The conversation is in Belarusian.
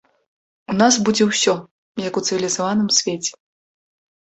У нас будзе ўсё, як у цывілізаваным свеце.